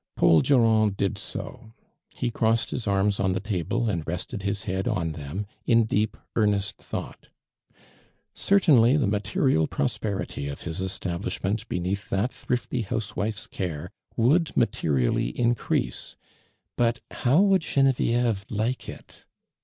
Paul DuraiKi did so. He crossed his arms on the table and rested his head on them, in deep, earnest thought. Certainly the material pros])erity of his establishment beneath that thrifty housewife's care would materially increase, but how would Gene vieve like it?